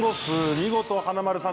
見事、華丸さん